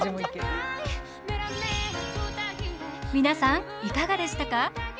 皆さんいかがでしたか？